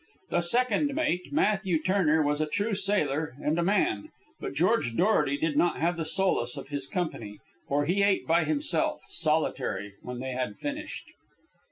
The second mate, Matthew Turner, was a true sailor and a man, but George Dorety did not have the solace of his company, for he ate by himself, solitary, when they had finished.